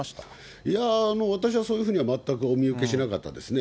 いや、私はそういうふうには全くお見受けしなかったですね。